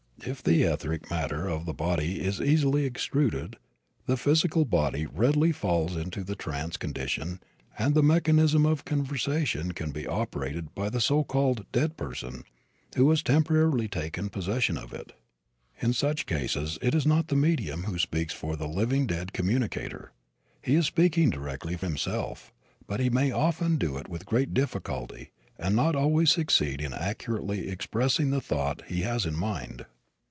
If the etheric matter of the body is easily extruded the physical body readily falls into the trance condition and the mechanism of conversation can be operated by the so called "dead" person who has temporarily taken possession of it. In such cases it is not the medium who speaks for the living dead communicator. He is speaking directly himself, but he may often do it with great difficulty and not always succeed in accurately expressing the thought he has in mind.